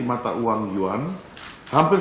mata uang yuan hampir